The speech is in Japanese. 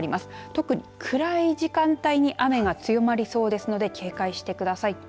特に暗い時間帯に雨が強まりそうですので警戒してください。